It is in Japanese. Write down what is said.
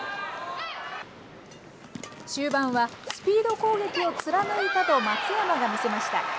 終盤はスピード攻撃を貫いたと松山が見せました。